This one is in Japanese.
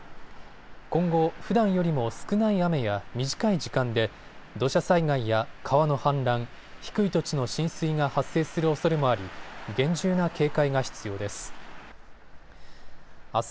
今後、ふだんよりも少ない雨や短い時間で土砂災害や川の氾濫、低い土地の浸水が発生するおそれもあり厳重な警戒が必要です。